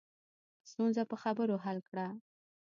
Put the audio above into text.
ستونزه په خبرو حل کړه